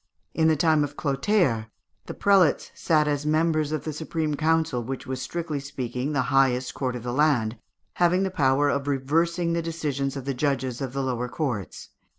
In the time of Clotaire, the prelates sat as members of the supreme council, which was strictly speaking the highest court of the land, having the power of reversing the decisions of the judges of the lower courts.